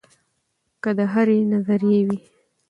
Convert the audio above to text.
کۀ د هرې نظرئې وي